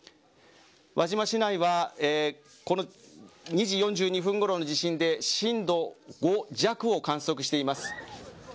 輪島市内は２時４２分ごろの地震で震度５弱を観測しています。